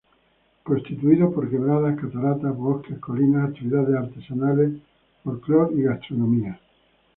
Constituido por quebradas, cataratas, bosques, colinas, actividades artesanales, folclor y gastronomía.